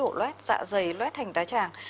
ổ lét dạ dày lét hành tái tràng